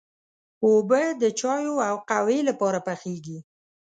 اوبه د چايو او قهوې لپاره پخېږي.